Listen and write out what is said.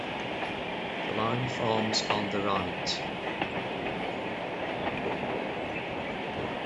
The line forms on the right.